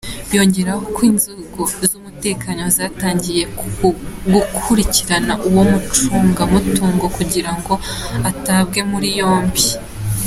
Yongeyeho ko inzego z’umutekano zatangiye gukurikirana uwo mucungamutongo kugira ngo atabwe muri yombi.